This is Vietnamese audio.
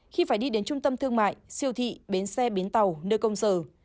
khi phải đi đến trung tâm thương mại siêu thị bến xe bến tàu nơi công sở